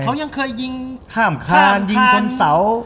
เขายังเคยยิงข้ามคานยิงชนเสา